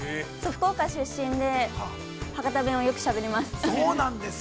◆福岡出身で、博多弁をよくしゃべります。